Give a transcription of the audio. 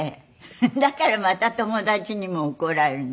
だからまた友達にも怒られる。